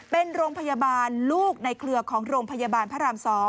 เป็นโรงพยาบาลลูกในเครือของโรงพยาบาลพระราม๒